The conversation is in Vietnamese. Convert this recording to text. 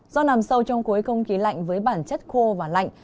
do nằm sâu trong khối không khí lạnh với bản chất khô và lạnh